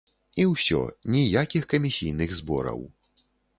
І ўсё, ніякіх камісійных збораў!